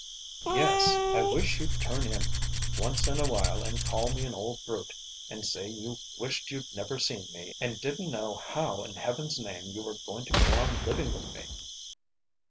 "Yes! I wish you'd turn in once in a while and call me an old brute, and say you wished you'd never seen me, and didn't know how in heaven's name you were going to go on living with me!"